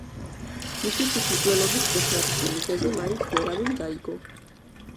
მისი თვითმკვლელობის ჭეშმარიტი მიზეზი მაინც ვერავინ გაიგო.